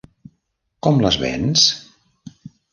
Com les vens?